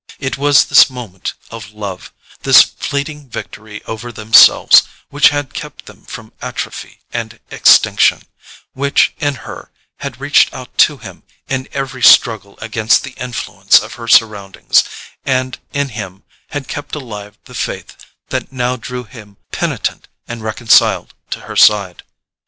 It was this moment of love, this fleeting victory over themselves, which had kept them from atrophy and extinction; which, in her, had reached out to him in every struggle against the influence of her surroundings, and in him, had kept alive the faith that now drew him penitent and reconciled to her side.